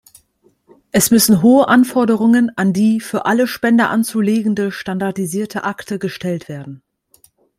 Es müssen hohe Anforderungen an die für alle Spender anzulegende standardisierte Akte gestellt werden.